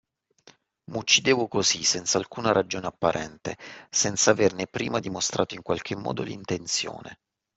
M'uccidevo così, senz'alcuna ragione apparente, senza averne prima dimostrato in qualche modo l'intenzione.